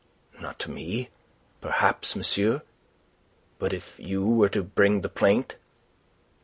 "Not to me, perhaps, Monsieur. But if you were to bring the plaint..."